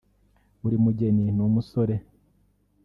Buri mugeni n’umusore